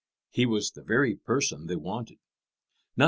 He was the very person they wanted.